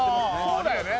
そうだよね